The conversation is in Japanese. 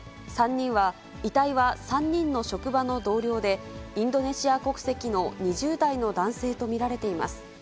遺体は３人の職場の同僚で、インドネシア国籍の２０代の男性と見られています。